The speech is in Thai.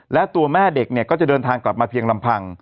และตัวแม่เด็กเนี่ยก็จะเดินทางกลับมาเพียงลำพัง